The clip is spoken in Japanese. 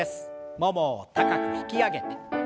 ももを高く引き上げて。